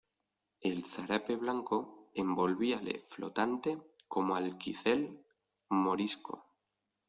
el zarape blanco envolvíale flotante como alquicel morisco.